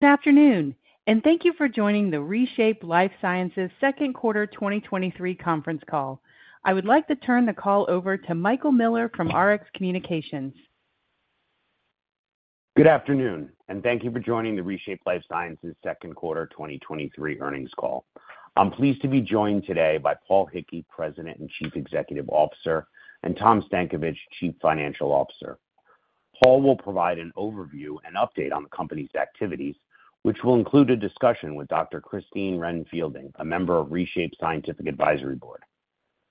Good afternoon, and thank you for joining the ReShape Lifesciences Q2 2023 Conference Call. I would like to turn the call over to Michael Miller from Rx Communications. Good afternoon, and thank you for joining the ReShape Lifesciences Q2 2023 Earnings Call. I'm pleased to be joined today by Paul Hickey, President and Chief Executive Officer, and Tom Stankovich, Chief Financial Officer. Paul will provide an overview and update on the company's activities, which will include a discussion with Dr. Christine Ren-Fielding, a member of ReShape Scientific Advisory Board.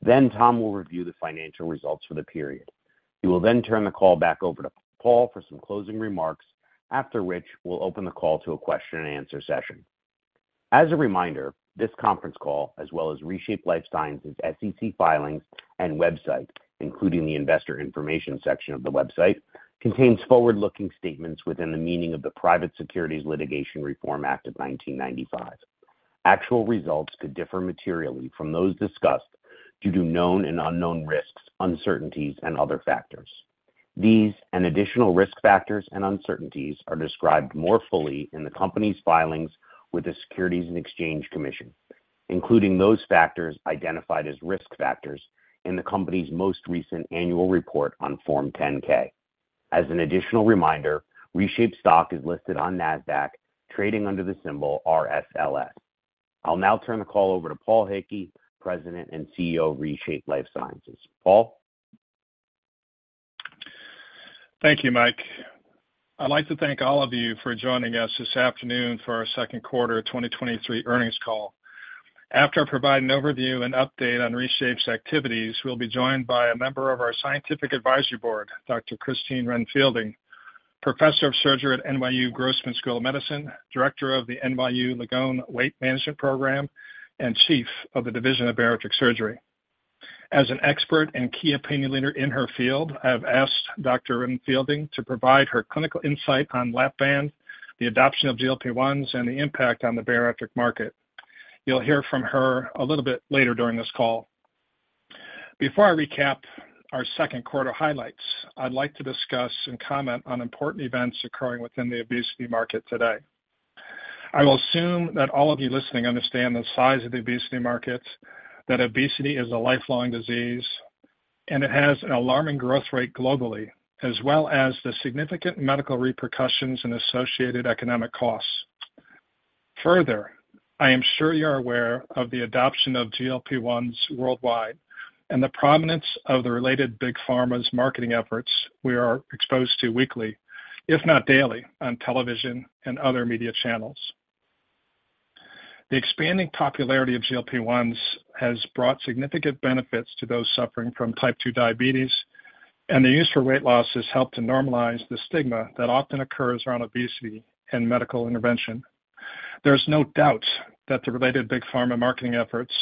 Then Tom will review the financial results for the period. He will then turn the call back over to Paul for some closing remarks, after which we'll open the call to a question and answer session. As a reminder, this conference call, as well as ReShape Lifesciences' SEC filings and website, including the investor information section of the website, contains forward-looking statements within the meaning of the Private Securities Litigation Reform Act of 1995. Actual results could differ materially from those discussed due to known and unknown risks, uncertainties, and other factors. These and additional risk factors and uncertainties are described more fully in the company's filings with the Securities and Exchange Commission, including those factors identified as risk factors in the company's most recent annual report on Form 10-K. As an additional reminder, ReShape stock is listed on NASDAQ, trading under the symbol RSLS. I'll now turn the call over to Paul Hickey, President and CEO of ReShape Lifesciences. Paul? Thank you, Mike. I'd like to thank all of you for joining us this afternoon for our Q2 2023 earnings call. After I provide an overview and update on ReShape's activities, we'll be joined by a member of our scientific advisory board, Dr. Christine Ren-Fielding, Professor of Surgery at NYU Grossman School of Medicine, Director of the NYU Langone Weight Management Program, and Chief of the Division of Bariatric Surgery. As an expert and key opinion leader in her field, I have asked Dr. Ren-Fielding to provide her clinical insight on Lap-Band, the adoption of GLP-1s, and the impact on the bariatric market. You'll hear from her a little bit later during this call. Before I recap our Q2 highlights, I'd like to discuss and comment on important events occurring within the obesity market today. I will assume that all of you listening understand the size of the obesity market, that obesity is a lifelong disease, and it has an alarming growth rate globally, as well as the significant medical repercussions and associated economic costs. Further, I am sure you're aware of the adoption of GLP-1s worldwide and the prominence of the related big pharma's marketing efforts we are exposed to weekly, if not daily, on television and other media channels. The expanding popularity of GLP-1s has brought significant benefits to those suffering from type 2 diabetes, and the use for weight loss has helped to normalize the stigma that often occurs around obesity and medical intervention. There's no doubt that the related big pharma marketing efforts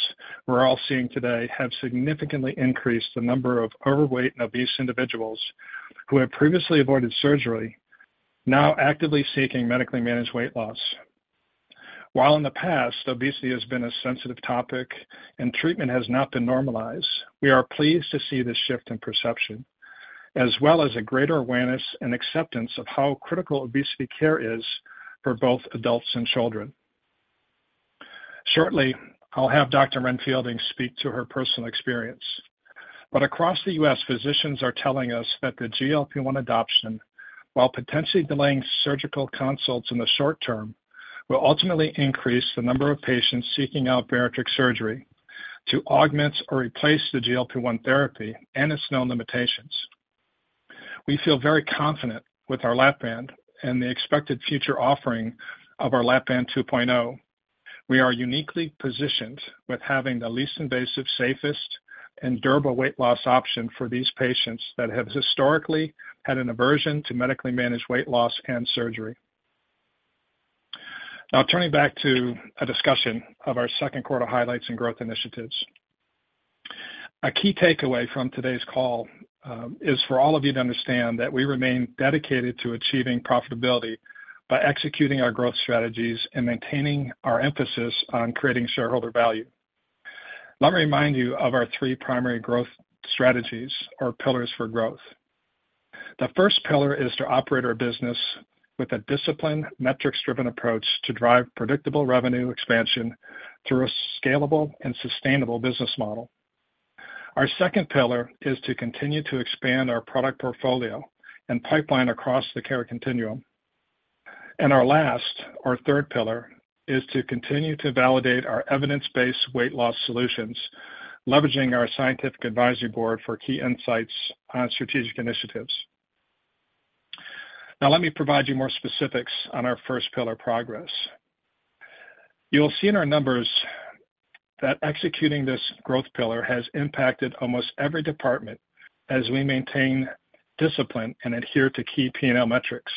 we're all seeing today have significantly increased the number of overweight and obese individuals who have previously avoided surgery, now actively seeking medically managed weight loss. While in the past, obesity has been a sensitive topic and treatment has not been normalized, we are pleased to see this shift in perception, as well as a greater awareness and acceptance of how critical obesity care is for both adults and children. Shortly, I'll have Dr. Ren-Fielding speak to her personal experience. Across the US, physicians are telling us that the GLP-1 adoption, while potentially delaying surgical consults in the short term, will ultimately increase the number of patients seeking out bariatric surgery to augment or replace the GLP-1 therapy and its known limitations. We feel very confident with our Lap-Band and the expected future offering of our Lap-Band 2.0. We are uniquely positioned with having the least invasive, safest, and durable weight loss option for these patients that have historically had an aversion to medically managed weight loss and surgery. Now, turning back to a discussion of our Q2 highlights and growth initiatives. A key takeaway from today's call is for all of you to understand that we remain dedicated to achieving profitability by executing our growth strategies and maintaining our emphasis on creating shareholder value. Let me remind you of our three primary growth strategies or pillars for growth. The first pillar is to operate our business with a discipline, metrics-driven approach to drive predictable revenue expansion through a scalable and sustainable business model. Our second pillar is to continue to expand our product portfolio and pipeline across the care continuum. Our last, our third pillar, is to continue to validate our evidence-based weight loss solutions, leveraging our scientific advisory board for key insights on strategic initiatives. Now, let me provide you more specifics on our first pillar progress. You'll see in our numbers that executing this growth pillar has impacted almost every department as we maintain discipline and adhere to key P&L metrics.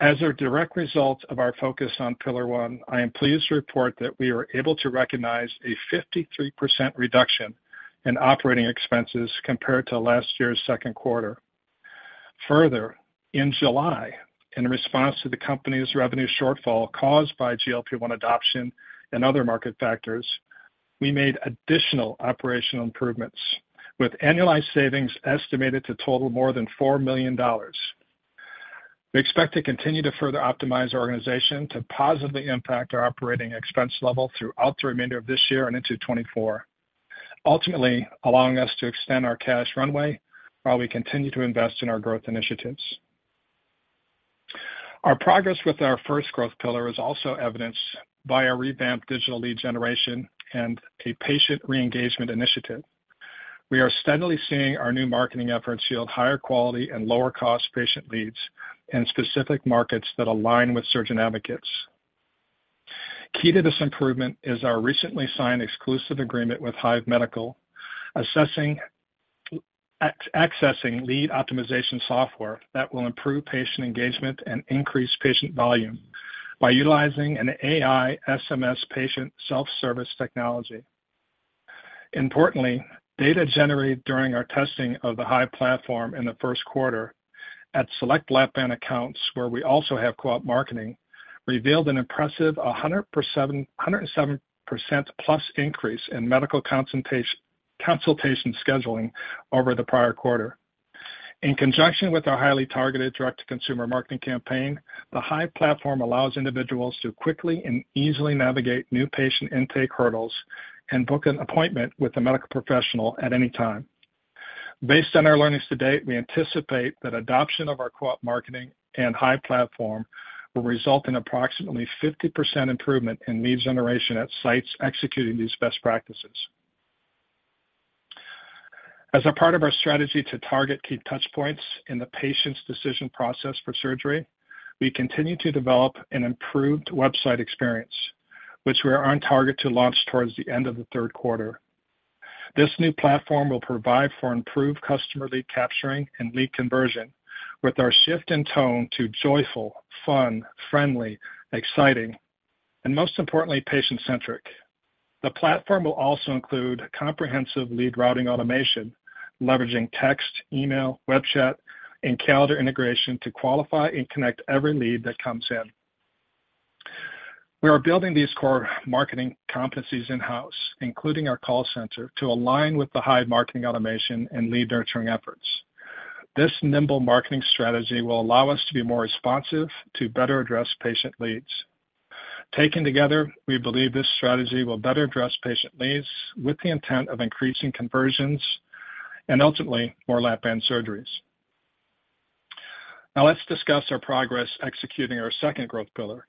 As a direct result of our focus on pillar one, I am pleased to report that we are able to recognize a 53% reduction in operating expenses compared to last year's Q2. Further, in July, in response to the company's revenue shortfall caused by GLP-1 adoption and other market factors. We made additional operational improvements, with annualized savings estimated to total more than $4 million. We expect to continue to further optimize our organization to positively impact our operating expense level throughout the remainder of this year and into 2024, ultimately allowing us to extend our cash runway while we continue to invest in our growth initiatives. Our progress with our first growth pillar is also evidenced by our revamped digital lead generation and a patient re-engagement initiative. We are steadily seeing our new marketing efforts yield higher quality and lower cost patient leads in specific markets that align with surgeon advocates. Key to this improvement is our recently signed exclusive agreement with Hive Medical, accessing lead optimization software that will improve patient engagement and increase patient volume by utilizing an AI SMS patient self-service technology. Importantly, data generated during our testing of the Hive platform in the Q1 at select Lap-Band accounts, where we also have co-op marketing, revealed an impressive 107% plus increase in medical consultation scheduling over the prior quarter. In conjunction with our highly targeted direct-to-consumer marketing campaign, the Hive platform allows individuals to quickly and easily navigate new patient intake hurdles and book an appointment with a medical professional at any time. Based on our learnings to date, we anticipate that adoption of our co-op marketing and Hive platform will result in approximately 50% improvement in lead generation at sites executing these best practices. As a part of our strategy to target key touch points in the patient's decision process for surgery, we continue to develop an improved website experience, which we are on target to launch towards the end of the Q3. This new platform will provide for improved customer lead capturing and lead conversion, with our shift in tone to joyful, fun, friendly, exciting, and most importantly, patient-centric. The platform will also include comprehensive lead routing automation, leveraging text, email, web chat, and calendar integration to qualify and connect every lead that comes in. We are building these core marketing competencies in-house, including our call center, to align with the high marketing automation and lead nurturing efforts. This nimble marketing strategy will allow us to be more responsive to better address patient leads. Taken together, we believe this strategy will better address patient leads with the intent of increasing conversions and ultimately more Lap-Band surgeries. Now let's discuss our progress executing our second growth pillar.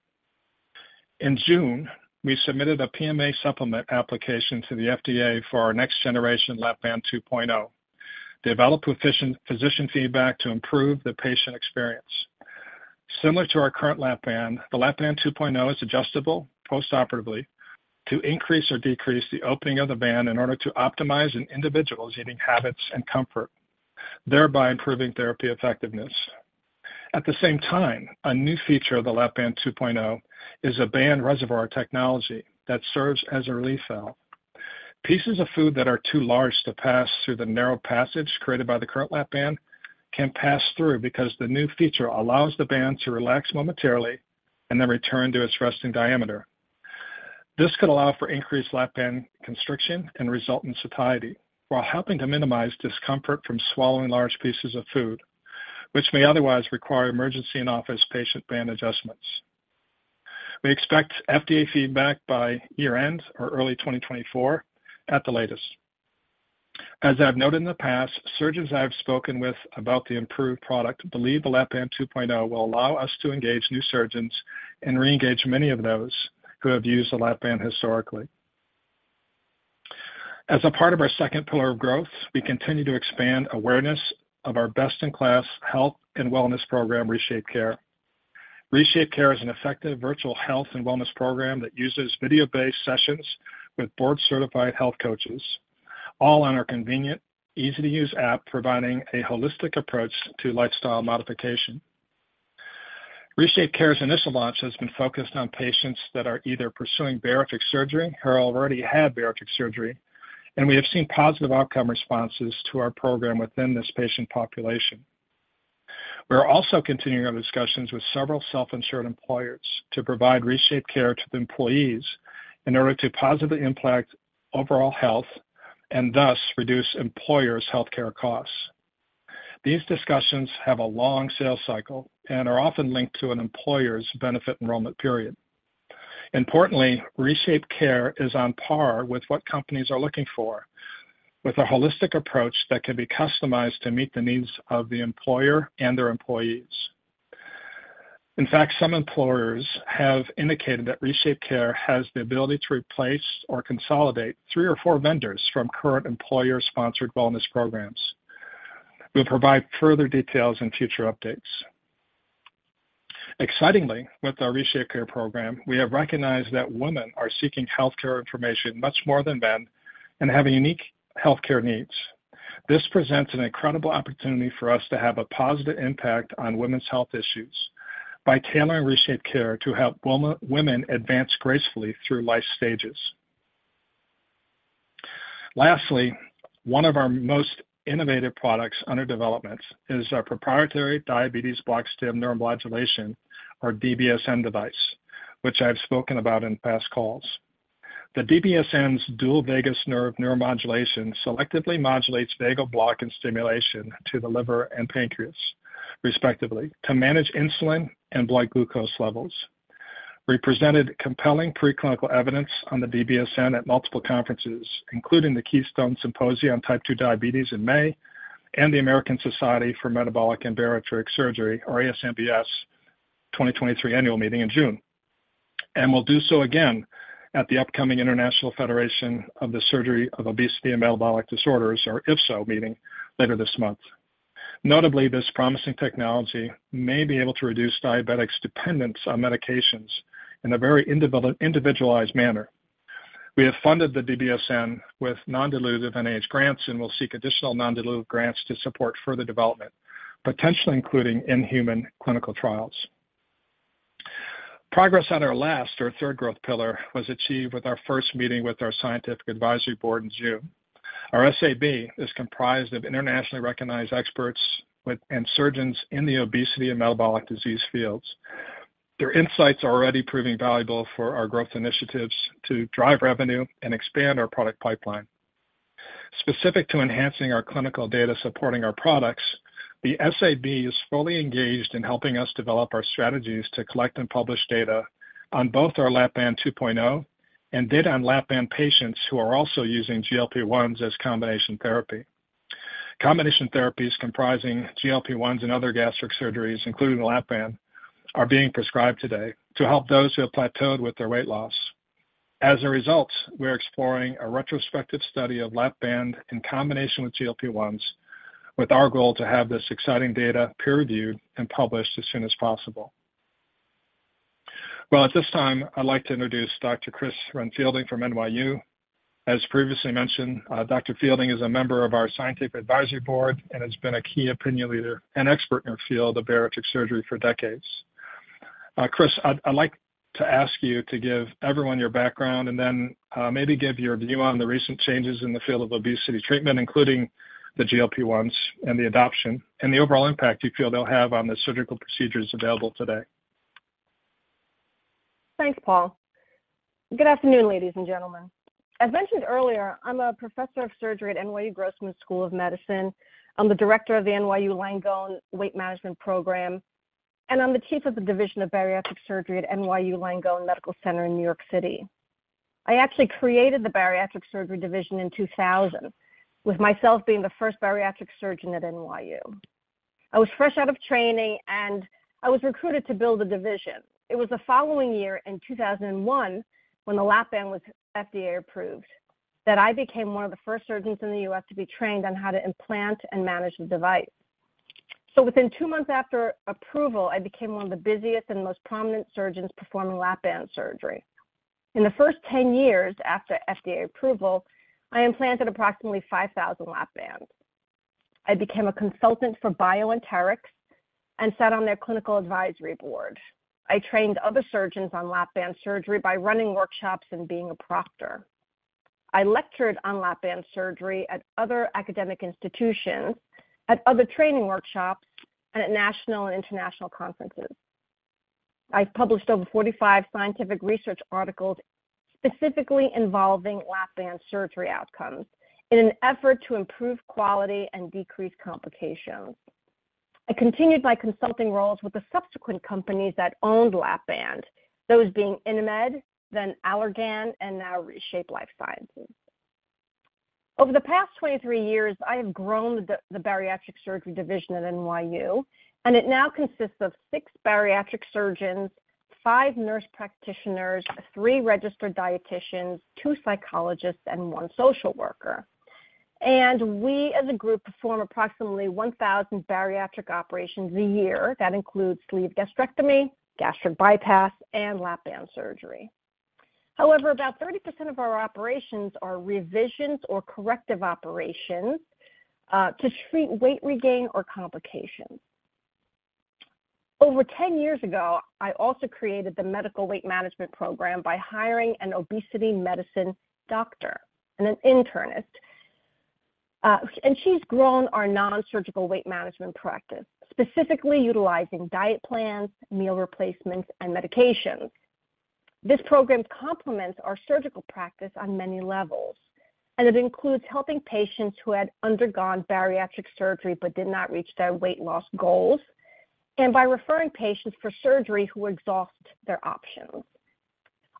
In June, we submitted a PMA supplement application to the FDA for our next generation Lap-Band 2.0, developed with physician feedback to improve the patient experience. Similar to our current Lap-Band, the Lap-Band 2.0 is adjustable postoperatively to increase or decrease the opening of the band in order to optimize an individual's eating habits and comfort, thereby improving therapy effectiveness. The same time, a new feature of the Lap-Band 2.0 is a band reservoir technology that serves as a refill. Pieces of food that are too large to pass through the narrow passage created by the current Lap-Band can pass through because the new feature allows the band to relax momentarily and then return to its resting diameter. This could allow for increased Lap-Band constriction and result in satiety, while helping to minimize discomfort from swallowing large pieces of food, which may otherwise require emergency in-office patient band adjustments. We expect FDA feedback by year-end or early 2024 at the latest. As I've noted in the past, surgeons I have spoken with about the improved product believe the Lap-Band 2.0 will allow us to engage new surgeons and reengage many of those who have used the Lap-Band historically. As a part of our second pillar of growth, we continue to expand awareness of our best-in-class health and wellness program, ReShape Care. ReShape Care is an effective virtual health and wellness program that uses video-based sessions with board-certified health coaches, all on our convenient, easy-to-use app, providing a holistic approach to lifestyle modification. ReShape Care's initial launch has been focused on patients that are either pursuing bariatric surgery or already have bariatric surgery, and we have seen positive outcome responses to our program within this patient population. We are also continuing our discussions with several self-insured employers to provide ReShape Care to the employees in order to positively impact overall health and thus reduce employers' healthcare costs. These discussions have a long sales cycle and are often linked to an employer's benefit enrollment period. Importantly, ReShape Care is on par with what companies are looking for, with a holistic approach that can be customized to meet the needs of the employer and their employees. In fact, some employers have indicated that ReShape Care has the ability to replace or consolidate three or four vendors from current employer-sponsored wellness programs. We'll provide further details in future updates. Excitingly, with our ReShape Care program, we have recognized that women are seeking healthcare information much more than men and have unique healthcare needs. This presents an incredible opportunity for us to have a positive impact on women's health issues by tailoring ReShape Care to help women advance gracefully through life stages. Lastly, one of our most innovative products under development is our proprietary Diabetes Bloc-Stim Neuromodulation, or DBSN device, which I've spoken about in past calls. The DBSN's dual vagus nerve neuromodulation selectively modulates vagal block and stimulation to the liver and pancreas, respectively, to manage insulin and blood glucose levels. We presented compelling preclinical evidence on the DBSN at multiple conferences, including the Keystone Symposia on type 2 diabetes in May and the American Society for Metabolic and Bariatric Surgery, or ASMBS, 2023 annual meeting in June, and will do so again at the upcoming International Federation for the Surgery of Obesity and Metabolic Disorders, or IFSO meeting, later this month. Notably, this promising technology may be able to reduce diabetics' dependence on medications in a very individualized manner. We have funded the DBSN with non-dilutive NIH grants and will seek additional non-dilutive grants to support further development, potentially including in human clinical trials. Progress on our last or third growth pillar was achieved with our first meeting with our Scientific Advisory Board in June. Our SAB is comprised of internationally recognized experts with and surgeons in the obesity and metabolic disease fields. Their insights are already proving valuable for our growth initiatives to drive revenue and expand our product pipeline. Specific to enhancing our clinical data supporting our products, the SAB is fully engaged in helping us develop our strategies to collect and publish data on both our Lap-Band 2.0 and data on Lap-Band patients who are also using GLP-1s as combination therapy. Combination therapies comprising GLP-1s and other gastric surgeries, including Lap-Band, are being prescribed today to help those who have plateaued with their weight loss. As a result, we are exploring a retrospective study of Lap-Band in combination with GLP-1s, with our goal to have this exciting data peer-reviewed and published as soon as possible. Well, at this time, I'd like to introduce Dr. Chris Ren-Fielding from NYU. As previously mentioned, Dr. Fielding is a member of our Scientific Advisory Board and has been a key opinion leader and expert in the field of bariatric surgery for decades. Chris, I'd, I'd like to ask you to give everyone your background and then, maybe give your view on the recent changes in the field of obesity treatment, including the GLP-1s and the adoption, and the overall impact you feel they'll have on the surgical procedures available today. Thanks, Paul. Good afternoon, ladies and gentlemen. As mentioned earlier, I'm a professor of surgery at NYU Grossman School of Medicine. I'm the director of the NYU Langone Weight Management Program, and I'm the chief of the Division of Bariatric Surgery at NYU Langone Medical Center in New York City. I actually created the bariatric surgery division in 2000, with myself being the first bariatric surgeon at NYU. I was fresh out of training, and I was recruited to build a division. It was the following year, in 2001, when the Lap-Band was FDA approved, that I became one of the first surgeons in the US to be trained on how to implant and manage the device. Within two months after approval, I became one of the busiest and most prominent surgeons performing Lap-Band surgery. In the first 10 years after FDA approval, I implanted approximately 5,000 Lap-Bands. I became a consultant for BioEnterics and sat on their clinical advisory board. I trained other surgeons on Lap-Band surgery by running workshops and being a proctor. I lectured on Lap-Band surgery at other academic institutions, at other training workshops, and at national and international conferences. I've published over 45 scientific research articles specifically involving Lap-Band surgery outcomes in an effort to improve quality and decrease complications. I continued my consulting roles with the subsequent companies that owned Lap-Band, those being Inamed, then Allergan, and now ReShape Lifesciences. Over the past 23 years, I have grown the Division of Bariatric Surgery at NYU, and it now consists of six bariatric surgeons, five nurse practitioners, three registered dietitians, two psychologists, and one social worker. We, as a group, perform approximately 1,000 bariatric operations a year. That includes sleeve gastrectomy, gastric bypass, and Lap-Band surgery. However, about 30% of our operations are revisions or corrective operations, to treat weight regain or complications. Over 10 years ago, I also created the Medical Weight Management program by hiring an obesity medicine doctor and an internist, and she's grown our nonsurgical weight management practice, specifically utilizing diet plans, meal replacements, and medications. This program complements our surgical practice on many levels, and it includes helping patients who had undergone bariatric surgery but did not reach their weight loss goals, and by referring patients for surgery who exhaust their options.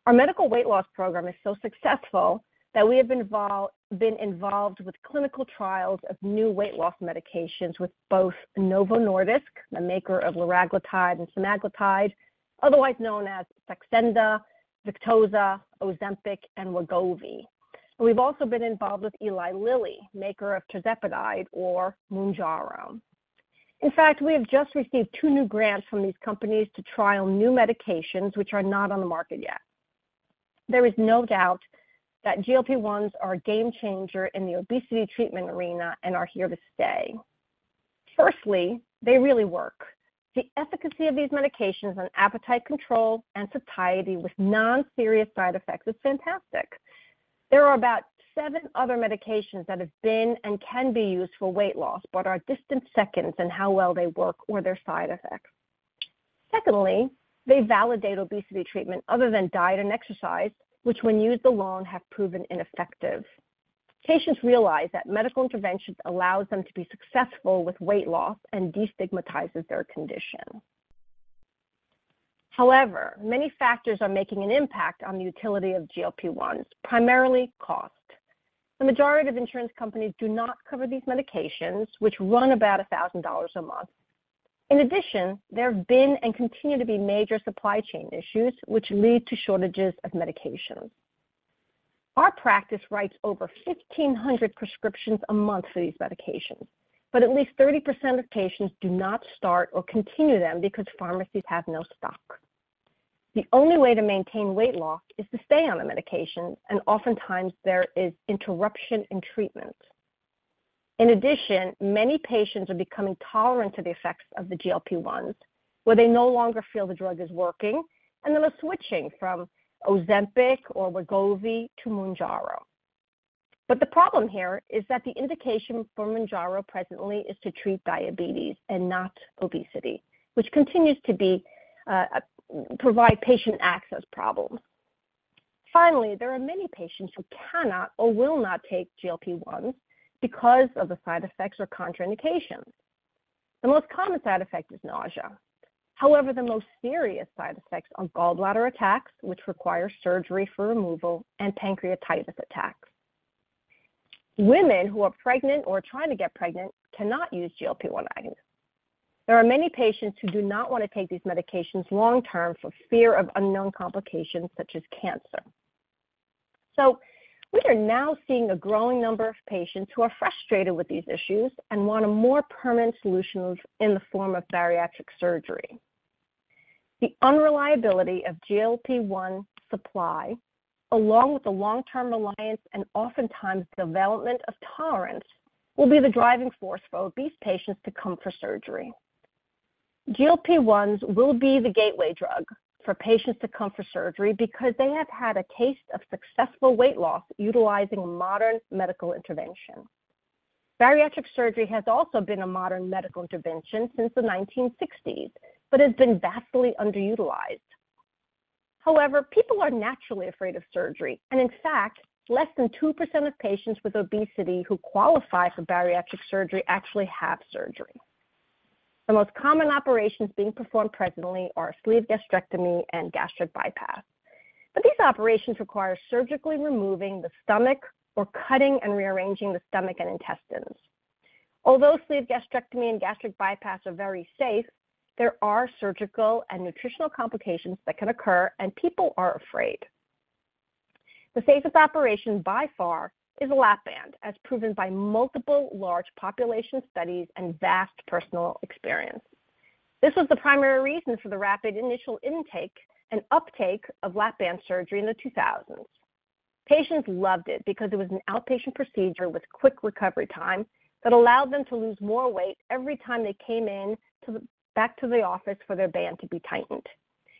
Our medical weight loss program is so successful that we have involve... been involved with clinical trials of new weight loss medications with both Novo Nordisk, the maker of liraglutide and semaglutide, otherwise known as Saxenda, Victoza, Ozempic, and Wegovy. We've also been involved with Eli Lilly, maker of tirzepatide or Mounjaro. In fact, we have just received two new grants from these companies to trial new medications, which are not on the market yet. There is no doubt that GLP-1s are a game changer in the obesity treatment arena and are here to stay. Firstly, they really work. The efficacy of these medications on appetite control and satiety with non-serious side effects is fantastic. There are about seven other medications that have been and can be used for weight loss, but are distant seconds in how well they work or their side effects. Secondly, they validate obesity treatment other than diet and exercise, which when used alone, have proven ineffective. Patients realize that medical interventions allows them to be successful with weight loss and destigmatizes their condition. However, many factors are making an impact on the utility of GLP-1s, primarily cost. The majority of insurance companies do not cover these medications, which run about $1,000 a month. In addition, there have been and continue to be major supply chain issues, which lead to shortages of medications. Our practice writes over 1,500 prescriptions a month for these medications, but at least 30% of patients do not start or continue them because pharmacies have no stock. The only way to maintain weight loss is to stay on the medication, and oftentimes there is interruption in treatment. In addition, many patients are becoming tolerant to the effects of the GLP-1s, where they no longer feel the drug is working, and they're switching from Ozempic or Wegovy to Mounjaro. The problem here is that the indication for Mounjaro presently is to treat diabetes and not obesity, which continues to be, provide patient access problems. Finally, there are many patients who cannot or will not take GLP-1 because of the side effects or contraindications. The most common side effect is nausea. However, the most serious side effects are gallbladder attacks, which require surgery for removal and pancreatitis attacks. Women who are pregnant or trying to get pregnant cannot use GLP-1 agonists. There are many patients who do not want to take these medications long-term for fear of unknown complications, such as cancer. We are now seeing a growing number of patients who are frustrated with these issues and want a more permanent solution in the form of bariatric surgery. The unreliability of GLP-1 supply, along with the long-term reliance and oftentimes development of tolerance, will be the driving force for obese patients to come for surgery. GLP-1s will be the gateway drug for patients to come for surgery because they have had a taste of successful weight loss utilizing modern medical intervention. Bariatric surgery has also been a modern medical intervention since the 1960s, but has been vastly underutilized. However, people are naturally afraid of surgery, and in fact, less than 2% of patients with obesity who qualify for bariatric surgery actually have surgery. The most common operations being performed presently are sleeve gastrectomy and gastric bypass. These operations require surgically removing the stomach or cutting and rearranging the stomach and intestines. Although sleeve gastrectomy and gastric bypass are very safe, there are surgical and nutritional complications that can occur, and people are afraid. The safest operation by far is a Lap-Band, as proven by multiple large population studies and vast personal experience. This was the primary reason for the rapid initial intake and uptake of Lap-Band surgery in the 2000s. Patients loved it because it was an outpatient procedure with quick recovery time that allowed them to lose more weight every time they came back to the office for their band to be tightened.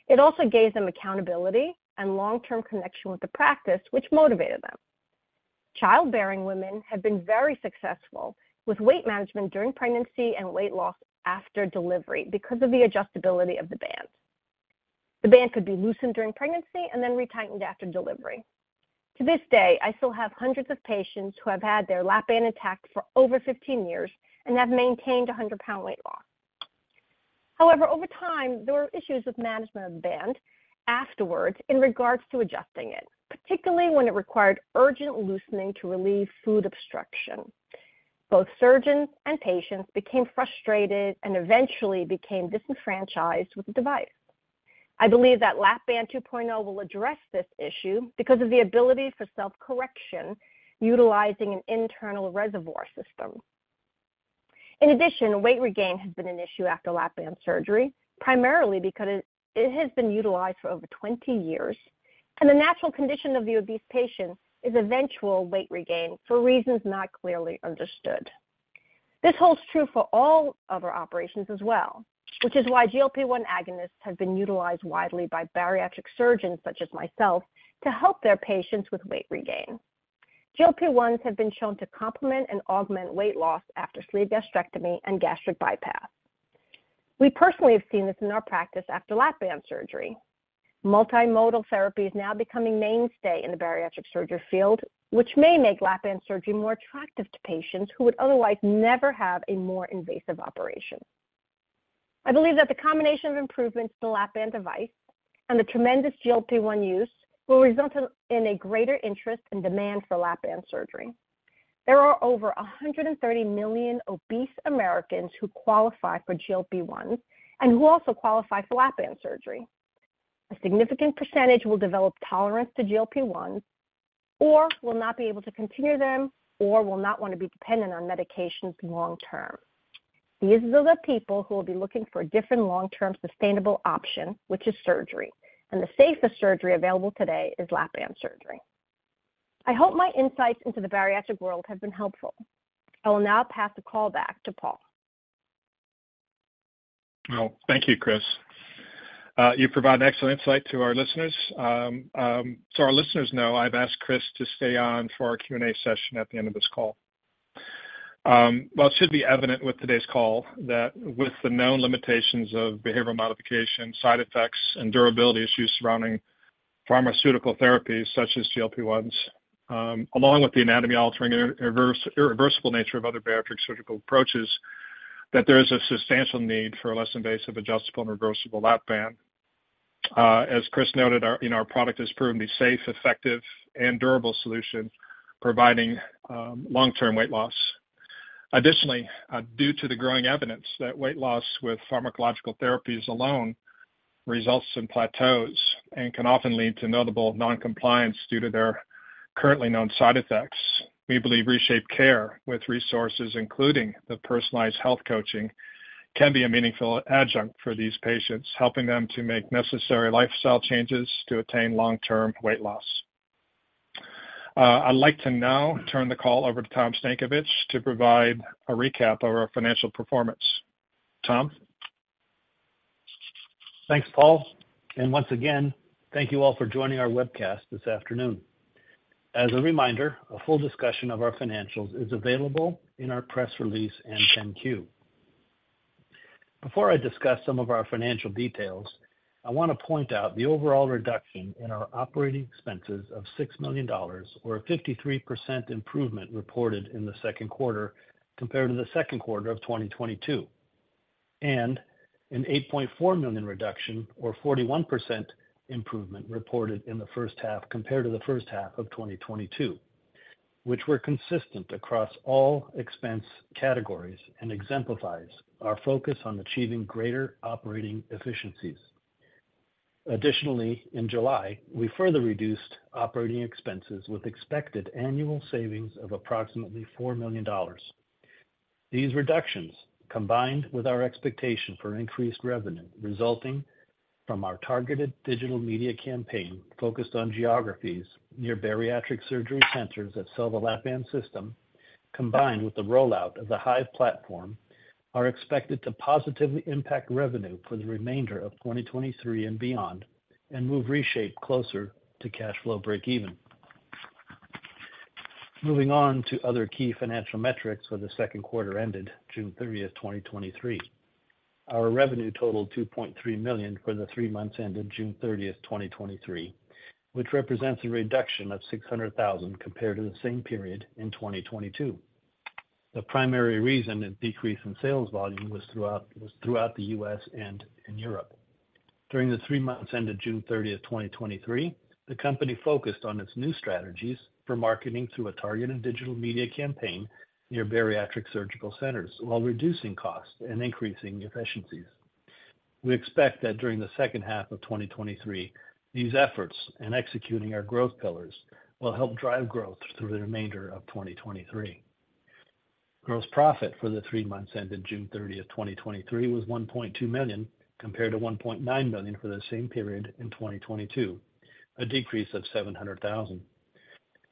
It also gave them accountability and long-term connection with the practice, which motivated them. Childbearing women have been very successful with weight management during pregnancy and weight loss after delivery because of the adjustability of the band. The band could be loosened during pregnancy and then retightened after delivery. To this day, I still have hundreds of patients who have had their Lap-Band attacked for over 15 years and have maintained a 100-pound weight loss. However, over time, there were issues with management of the band afterwards in regards to adjusting it, particularly when it required urgent loosening to relieve food obstruction. Both surgeons and patients became frustrated and eventually became disenfranchised with the device. I believe that Lap-Band 2.0 will address this issue because of the ability for self-correction utilizing an internal reservoir system. In addition, weight regain has been an issue after Lap-Band surgery, primarily because it has been utilized for over 20 years, and the natural condition of the obese patient is eventual weight regain for reasons not clearly understood. This holds true for all other operations as well, which is why GLP-1 agonists have been utilized widely by bariatric surgeons, such as myself, to help their patients with weight regain. GLP-1s have been shown to complement and augment weight loss after sleeve gastrectomy and gastric bypass. We personally have seen this in our practice after Lap-Band surgery. Multimodal therapy is now becoming mainstay in the bariatric surgery field, which may make Lap-Band surgery more attractive to patients who would otherwise never have a more invasive operation. I believe that the combination of improvements to the Lap-Band device and the tremendous GLP-1 use will result in a greater interest and demand for Lap-Band surgery. There are over 130 million obese Americans who qualify for GLP-1 and who also qualify for Lap-Band surgery. A significant percentage will develop tolerance to GLP-1, or will not be able to continue them, or will not want to be dependent on medications long term. These are the people who will be looking for a different long-term, sustainable option, which is surgery, and the safest surgery available today is Lap-Band surgery.... I hope my insights into the bariatric world have been helpful. I will now pass the call back to Paul. Well, thank you, Chris. You provided excellent insight to our listeners. Our listeners know, I've asked Chris to stay on for our Q&A session at the end of this call. Well, it should be evident with today's call that with the known limitations of behavioral modification, side effects, and durability issues surrounding pharmaceutical therapies such as GLP-1s, along with the anatomy-altering, irreversible nature of other bariatric surgical approaches, that there is a substantial need for a less invasive, adjustable, and reversible Lap-Band. As Chris noted, our, you know, our product has proven to be safe, effective, and durable solution, providing long-term weight loss. Additionally, due to the growing evidence that weight loss with pharmacological therapies alone results in plateaus and can often lead to notable non-compliance due to their currently known side effects, we believe ReShape Care, with resources including the personalized health coaching, can be a meaningful adjunct for these patients, helping them to make necessary lifestyle changes to attain long-term weight loss. I'd like to now turn the call over to Tom Stankovich to provide a recap of our financial performance. Tom? Thanks, Paul, once again, thank you all for joining our webcast this afternoon. As a reminder, a full discussion of our financials is available in our press release and Form 10-Q. Before I discuss some of our financial details, I want to point out the overall reduction in our operating expenses of $6 million, or a 53% improvement reported in the Q2 compared to the Q2 of 2022, and an $8.4 million reduction, or 41% improvement, reported in the first half compared to the first half of 2022, which were consistent across all expense categories and exemplifies our focus on achieving greater operating efficiencies. Additionally, in July, we further reduced operating expenses with expected annual savings of approximately $4 million. These reductions, combined with our expectation for increased revenue resulting from our targeted digital media campaign focused on geographies near bariatric surgery centers that sell the LAP-BAND System, combined with the rollout of the Hive platform, are expected to positively impact revenue for the remainder of 2023 and beyond, and move ReShape closer to cash flow breakeven. Moving on to other key financial metrics for the Q2 ended June 30, 2023. Our revenue totaled $2.3 million for the three months ended June 30, 2023, which represents a reduction of $600,000 compared to the same period in 2022. The primary reason in decrease in sales volume was throughout the US and in Europe. During the three months ended June 30, 2023, the company focused on its new strategies for marketing through a targeted digital media campaign near bariatric surgical centers, while reducing costs and increasing efficiencies. We expect that during the H2 of 2023, these efforts in executing our growth pillars will help drive growth through the remainder of 2023. Gross profit for the three months ended June 30, 2023, was $1.2 million, compared to $1.9 million for the same period in 2022, a decrease of $700,000.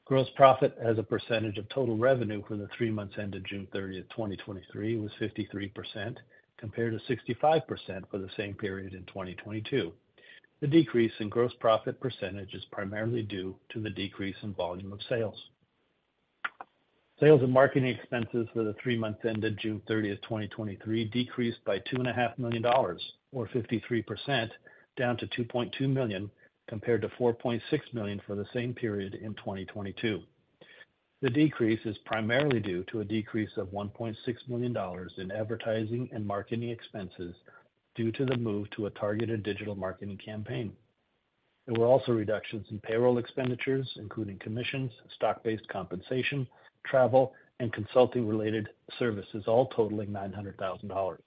Gross profit as a percentage of total revenue for the three months ended June 30, 2023, was 53%, compared to 65% for the same period in 2022. The decrease in gross profit percentage is primarily due to the decrease in volume of sales. Sales and marketing expenses for the three months ended June 30, 2023, decreased by $2.5 million, or 53%, down to $2.2 million, compared to $4.6 million for the same period in 2022. The decrease is primarily due to a decrease of $1.6 million in advertising and marketing expenses due to the move to a targeted digital marketing campaign. There were also reductions in payroll expenditures, including commissions, stock-based compensation, travel, and consulting-related services, all totaling $900,000.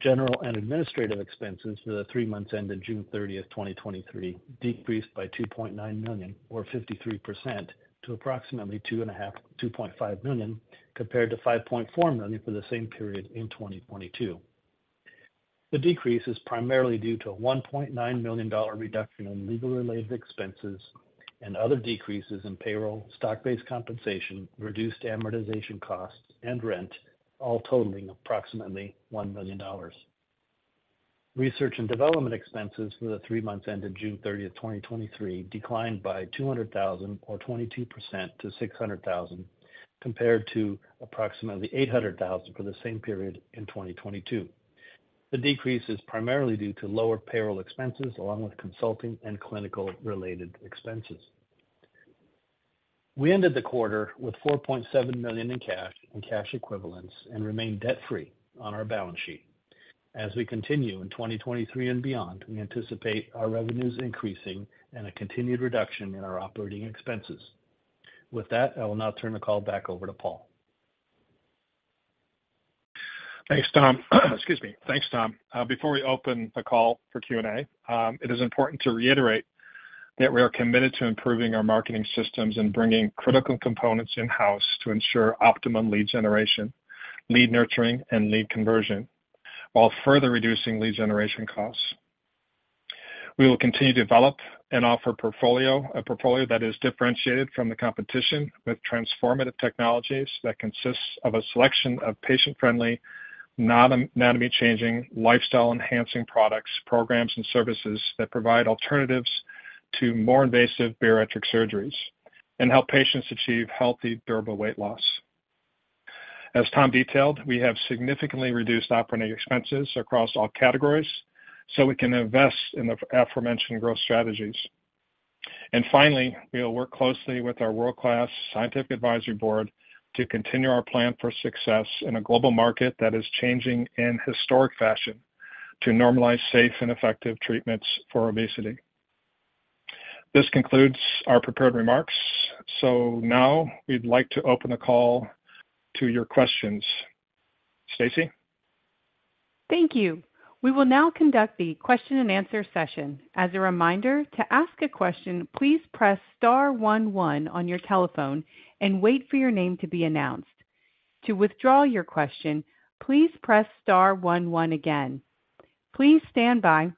General and administrative expenses for the three months ended June 30, 2023, decreased by $2.9 million, or 53%, to approximately $2.5 million, compared to $5.4 million for the same period in 2022. The decrease is primarily due to a $1.9 million reduction in legal-related expenses and other decreases in payroll, stock-based compensation, reduced amortization costs, and rent, all totaling approximately $1 million. Research and development expenses for the three months ended June 30, 2023, declined by $200,000 or 22% to $600,000, compared to approximately $800,000 for the same period in 2022. The decrease is primarily due to lower payroll expenses, along with consulting and clinical-related expenses. We ended the quarter with $4.7 million in cash and cash equivalents and remain debt-free on our balance sheet. As we continue in 2023 and beyond, we anticipate our revenues increasing and a continued reduction in our operating expenses. With that, I will now turn the call back over to Paul. Thanks, Tom. Excuse me. Thanks, Tom. Before we open the call for Q&A, it is important to reiterate that we are committed to improving our marketing systems and bringing critical components in-house to ensure optimum lead generation, lead nurturing, and lead conversion while further reducing lead generation costs. We will continue to develop and offer portfolio, a portfolio that is differentiated from the competition with transformative technologies that consists of a selection of patient-friendly, non-anatomy-changing, lifestyle-enhancing products, programs, and services that provide alternatives to more invasive bariatric surgeries and help patients achieve healthy, durable weight loss. As Tom detailed, we have significantly reduced operating expenses across all categories. We can invest in the aforementioned growth strategies. Finally, we will work closely with our world-class Scientific Advisory Board to continue our plan for success in a global market that is changing in historic fashion to normalize safe and effective treatments for obesity. This concludes our prepared remarks. Now we'd like to open the call to your questions. Stacy? Thank you. We will now conduct the question-and-answer session. As a reminder, to ask a question, please press star one, one on your telephone and wait for your name to be announced. To withdraw your question, please press star one, one again. Please stand by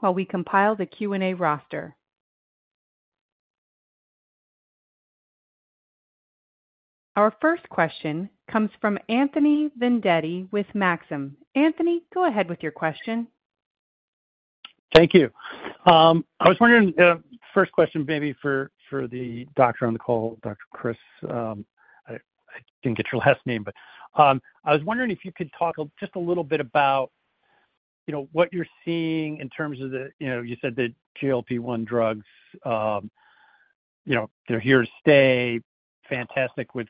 while we compile the Q&A roster. Our first question comes from Anthony Vendetti with Maxim Group. Anthony, go ahead with your question. Thank you. I was wondering, first question maybe for, for the doctor on the call, Dr. Chris, I, I didn't get your last name. I was wondering if you could talk just a little bit about, you know, what you're seeing in terms of the... You know, you said the GLP-1 drugs, you know, they're here to stay, fantastic with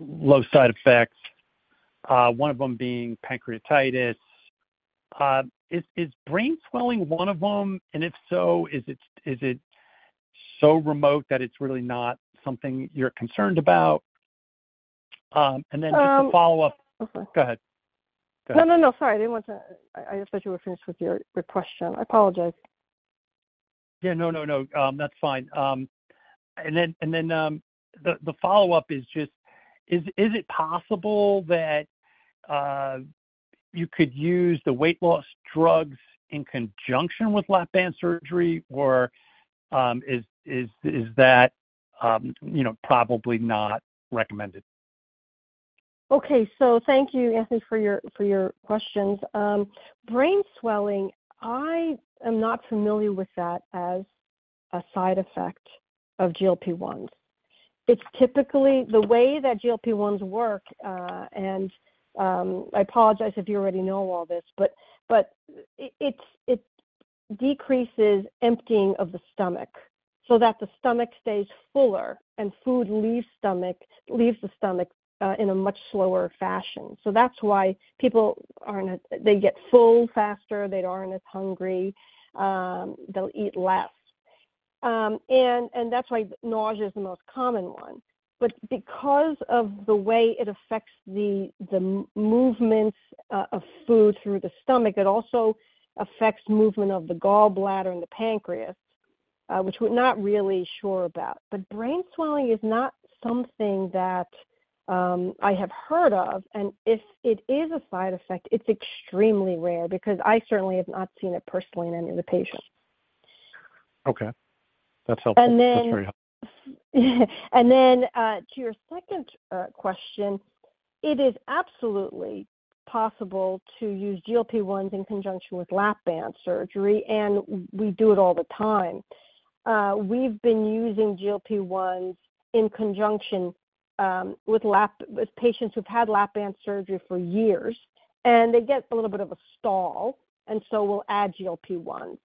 low side effects, one of them being pancreatitis. Is, is brain swelling one of them? If so, is it, is it so remote that it's really not something you're concerned about? Then just to follow up- Um. Go ahead. Go ahead. No, no, no, sorry. I didn't want to... I, I just thought you were finished with your, your question. I apologize. Yeah. No, no, no, that's fine. Then, and then, the follow-up is just, is, is it possible that you could use the weight loss drugs in conjunction with Lap-Band surgery, or, is, is, is that, you know, probably not recommended? Okay. Thank you, Anthony, for your, for your questions. Brain swelling, I am not familiar with that as a side effect of GLP-1. It's typically the way that GLP-1s work, and I apologize if you already know all this, but it's, it decreases emptying of the stomach so that the stomach stays fuller and food leaves stomach, leaves the stomach in a much slower fashion. That's why people aren't. They get full faster, they aren't as hungry, they'll eat less. And that's why nausea is the most common one. Because of the way it affects the movements of food through the stomach, it also affects movement of the gallbladder and the pancreas, which we're not really sure about. Brain swelling is not something that I have heard of, and if it is a side effect, it's extremely rare because I certainly have not seen it personally in any of the patients. Okay. That's helpful. And then- That's very helpful. To your second question, it is absolutely possible to use GLP-1s in conjunction with Lap-Band surgery, and we do it all the time. We've been using GLP-1s in conjunction with patients who've had Lap-Band surgery for years, and they get a little bit of a stall, and so we'll add GLP-1.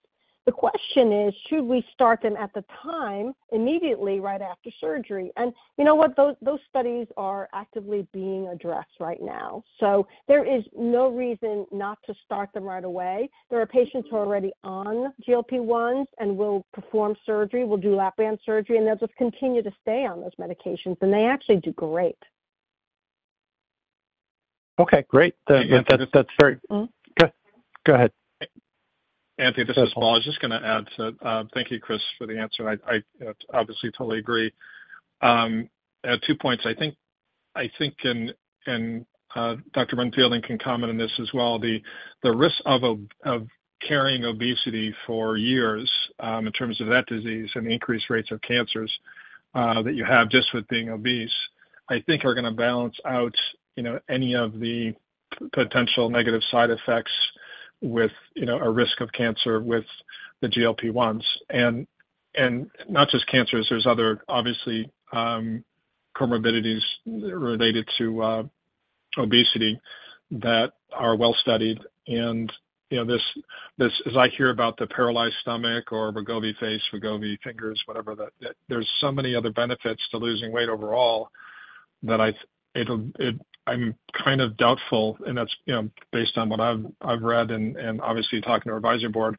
The question is, should we start them at the time, immediately, right after surgery? You know what? Those studies are actively being addressed right now. There is no reason not to start them right away. There are patients who are already on GLP-1s and will perform surgery, will do Lap-Band surgery, and they'll just continue to stay on those medications, and they actually do great. Okay, great. That, that's, that's very- Hmm? Go, go ahead. Anthony, this is Paul. I was just gonna add to. Thank you, Chris, for the answer. I, I, obviously, totally agree. Two points. I think, I think Dr. Ren-Fielding can comment on this as well, the, the risk of, of carrying obesity for years, in terms of that disease and increased rates of cancers that you have just with being obese, I think are gonna balance out, you know, any of the potential negative side effects with, you know, a risk of cancer with the GLP-1s. Not just cancers, there's other, obviously, comorbidities related to obesity that are well-studied. You know, this, this, as I hear about the paralyzed stomach or Wegovy face, Wegovy fingers, whatever, there's so many other benefits to losing weight overall, that it'll, I'm kind of doubtful, and that's, you know, based on what I've, I've read and, and obviously, talking to our advisory board,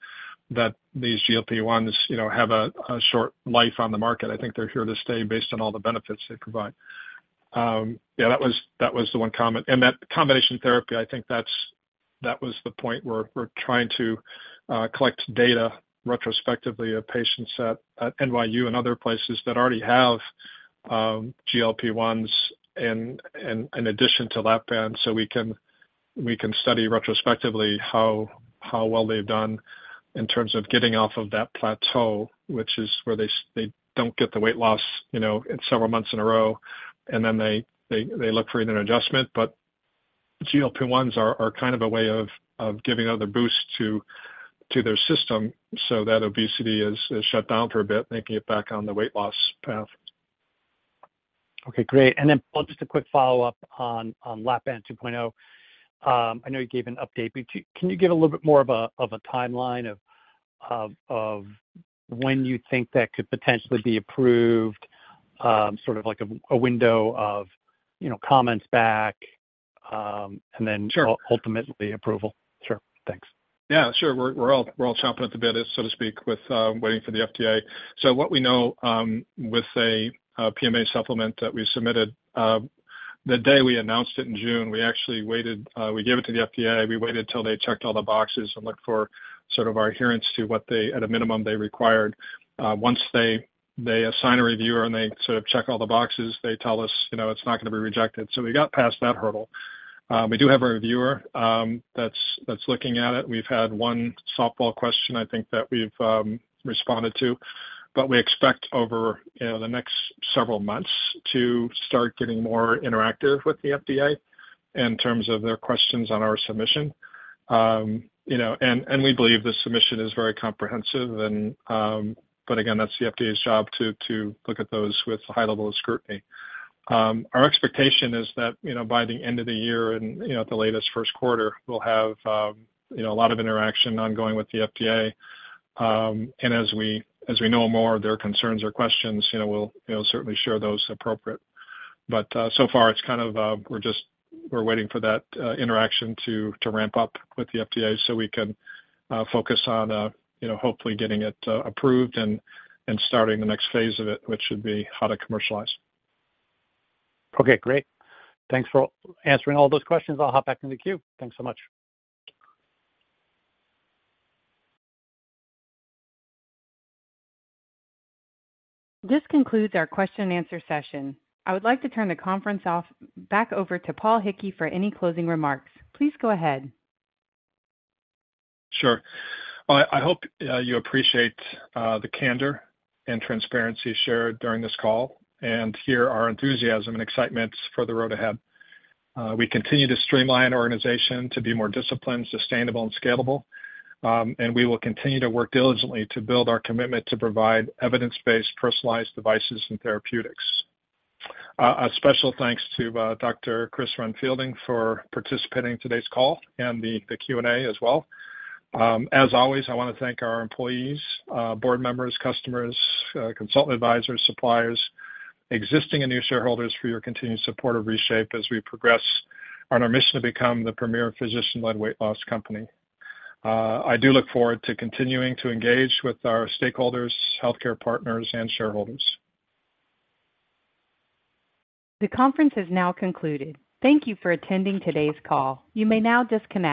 that these GLP-1s, you know, have a, a short life on the market. I think they're here to stay based on all the benefits they provide. Yeah, that was, that was the one comment. That combination therapy, I think that's, that was the point where we're trying to collect data retrospectively of patients at, at NYU and other places that already have, GLP-1s in, in addition to Lap-Band, so we can, we can study retrospectively how-...how well they've done in terms of getting off of that plateau, which is where they they don't get the weight loss, you know, in several months in a row, and then they, they, they look for another adjustment. GLP-1s are, are kind of a way of, of giving another boost to, to their system so that obesity is, is shut down for a bit, making it back on the weight loss path. Okay, great. Just a quick follow-up on Lap-Band 2.0. I know you gave an update, but can you give a little bit more of a timeline of when you think that could potentially be approved, sort of like a window of, you know, comments back, and then. Sure. Ultimately, approval? Sure. Thanks. Yeah, sure. We're, we're all, we're all chomping at the bit, so to speak, with waiting for the FDA. What we know, with a PMA supplement that we submitted the day we announced it in June, we actually waited. We gave it to the FDA. We waited until they checked all the boxes and looked for sort of our adherence to what they, at a minimum, they required. Once they, they assign a reviewer, and they sort of check all the boxes, they tell us, "You know, it's not gonna be rejected." We got past that hurdle. We do have a reviewer, that's looking at it. We've had one softball question, I think, that we've responded to. We expect over the next several months to start getting more interactive with the FDA in terms of their questions on our submission. And we believe this submission is very comprehensive and again, that's the FDA's job to look at those with a high level of scrutiny. Our expectation is that by the end of the year and at the latest, Q1, we'll have a lot of interaction ongoing with the FDA. And as we, as we know more of their concerns or questions, we'll certainly share those appropriate. So far, it's kind of, we're waiting for that interaction to, to ramp up with the FDA so we can focus on, you know, hopefully getting it approved and, and starting the next phase of it, which should be how to commercialize. Okay, great. Thanks for answering all those questions. I'll hop back in the queue. Thanks so much. This concludes our question and answer session. I would like to turn the conference off, back over to Paul Hickey for any closing remarks. Please go ahead. Sure. I, I hope, you appreciate, the candor and transparency shared during this call, and hear our enthusiasm and excitements for the road ahead. We continue to streamline our organization to be more disciplined, sustainable, and scalable. We will continue to work diligently to build our commitment to provide evidence-based, personalized devices and therapeutics. A special thanks to, Dr. Christine Ren-Fielding for participating in today's call and the, the Q&A as well. As always, I want to thank our employees, board members, customers, consultant advisors, suppliers, existing and new shareholders for your continued support of ReShape as we progress on our mission to become the premier physician-led weight loss company. I do look forward to continuing to engage with our stakeholders, healthcare partners, and shareholders. The conference is now concluded. Thank you for attending today's call. You may now disconnect.